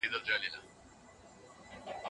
په خپل لاس یې خپلي نیلې پرې کولې